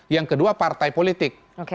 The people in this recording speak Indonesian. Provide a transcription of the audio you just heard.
yang kedua partai politik